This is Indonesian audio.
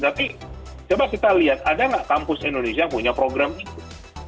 tapi coba kita lihat ada nggak kampus indonesia yang punya program itu